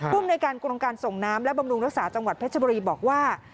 ภูมิในการกรมการส่งน้ำและบำรุงรักษาจังหวัดเพชรบุรีบอกว่า